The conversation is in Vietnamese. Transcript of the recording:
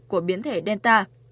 của biến thể delta